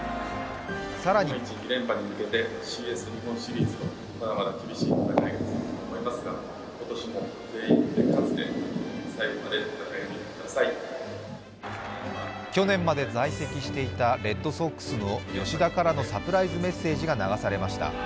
更に去年まで在籍していたレッドソックスの吉田からのサプライズメッセージが流されました。